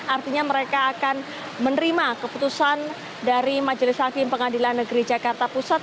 artinya mereka akan menerima keputusan dari majelis hakim pengadilan negeri jakarta pusat